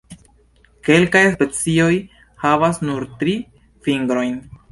Kelkaj specioj havas nur tri fingrojn.